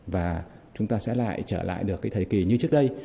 và chúng ta sẽ lại trở lại được cái thời kỳ như trước đây